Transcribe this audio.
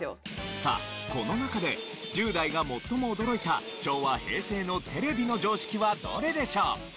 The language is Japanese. さあこの中で１０代が最も驚いた昭和・平成のテレビの常識はどれでしょう？